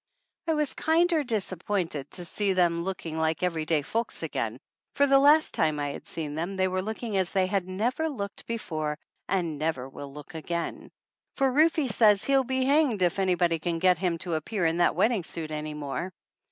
I was kinder disappointed to see them look ing like every day folks again, for the last time I had seen them they were looking as they had never looked before and never will look again, for Rufe says he'll be hanged if anybody can get him to appear in that wedding suit any more.